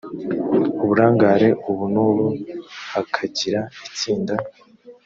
uburangare ubu n ubu hakagira itsinda